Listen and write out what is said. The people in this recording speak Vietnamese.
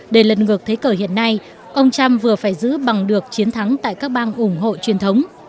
để lần ngược thấy cờ hiện nay ông trump vừa phải giữ bằng được chiến thắng tại các bang ủng hộ truyền thống